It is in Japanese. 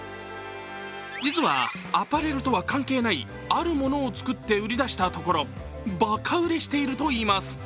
実はアパレルとは関係ないあるものを作って売り出したところバカ売れしているといいます。